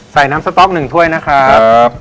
ใส่น้ำสต๊อก๑ถ้วยนะครับ